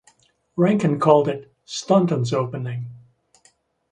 Ranken called it "Staunton's Opening".